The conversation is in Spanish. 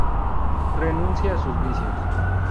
Renuncia a sus vicios.